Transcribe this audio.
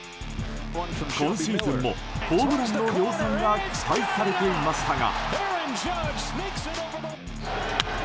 今シーズンもホームランの量産が期待されていましたが。